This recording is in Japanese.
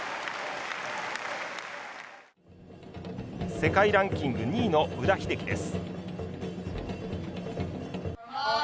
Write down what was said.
世界ランキング２位の宇田秀生です。